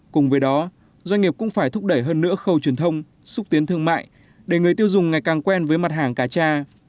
cùng với đó doanh nghiệp cũng phải thúc đẩy hơn nữa khâu truyền thông xúc tiến thương mại để người tiêu dùng ngày càng quen với mặt hàng cá tra